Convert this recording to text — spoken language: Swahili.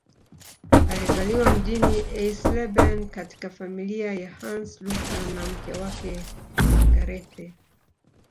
Alizaliwa mjini Eisleben katika familia ya Hans Luther na mke wake Margarethe